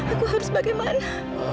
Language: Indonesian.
aku harus bagaimana